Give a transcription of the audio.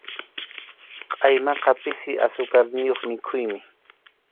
Qʼaymaqa pisi asukarniyuq mikhuymi.